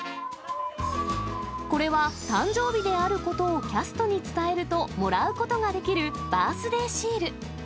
これは誕生日であることをキャストに伝えるともらうことができるバースデーシール。